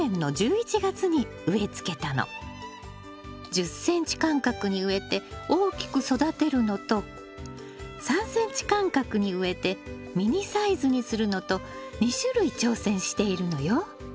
１０ｃｍ間隔に植えて大きく育てるのと３ｃｍ間隔に植えてミニサイズにするのと２種類挑戦しているのよ。